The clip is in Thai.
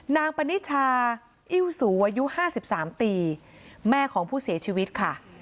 ปนิชาอิ้วสูอายุ๕๓ปีแม่ของผู้เสียชีวิตค่ะ